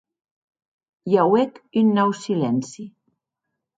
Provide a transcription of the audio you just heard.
I auec un nau silenci.